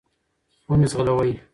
و مي ځغلوی .